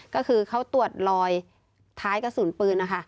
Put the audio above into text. ก็คือเขาตรวจรอยท้ายกระสุนปืนนะคะ